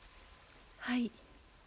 はい。